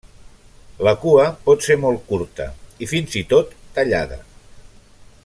La cua pot ser molt curta i fins i tot tallada.